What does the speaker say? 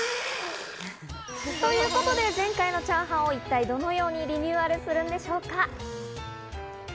前回のチャーハンを一体どのようにリニューアルするんでしょうか？